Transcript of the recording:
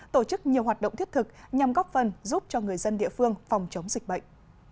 tổ chức nhiều hoạt động thiết thực nhằm góp phần giúp cho người dân địa phương phòng chống dịch bệnh